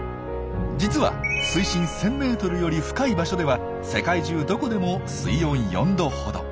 実は水深１，０００ｍより深い場所では世界中どこでも水温４℃ほど。